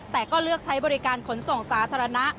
แต่ก็เลือกใช้บริการขนส่งสาธารณะ